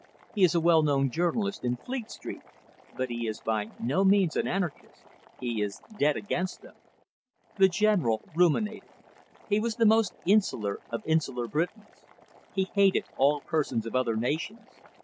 He is a well known journalist in Fleet Street. But he is by no means an anarchist; he is dead against them." The General ruminated. He was the most insular of insular Britons. He hated all persons of other nations.